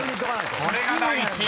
これが第１位。